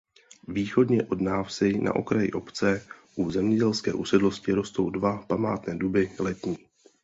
Východně od návsi na okraji obce u zemědělské usedlosti rostou dva památné duby letní.